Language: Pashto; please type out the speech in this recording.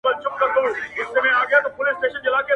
نه زارۍ دي سي تر ځایه رسېدلای،